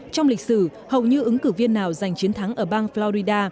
trong lịch sử hầu như ứng cử viên nào giành chiến thắng ở bang florida